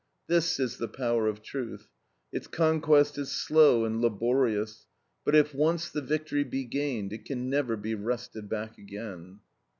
This is the power of truth; its conquest is slow and laborious, but if once the victory be gained it can never be wrested back again.